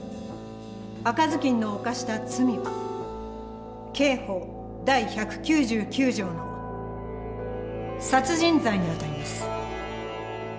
赤ずきんの犯した罪は刑法第１９９条の殺人罪にあたります。